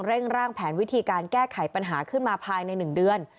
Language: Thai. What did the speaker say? ร่างแผนวิธีการแก้ไขปัญหาขึ้นมาภายใน๑เดือน